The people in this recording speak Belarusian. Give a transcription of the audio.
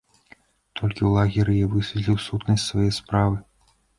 Толькі ў лагеры я высветліў сутнасць свае справы.